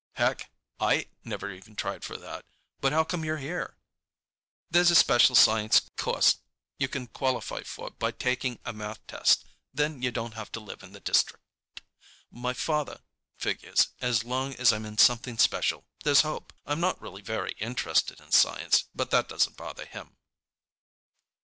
"Heck, I never even tried for that. But how come you're here?" "There's a special science course you can qualify for by taking a math test. Then you don't have to live in the district. My dad figures as long as I'm in something special, there's hope. I'm not really very interested in science, but that doesn't bother him."